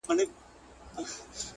زه کله باغي نه وومه خو سره مئين نه وم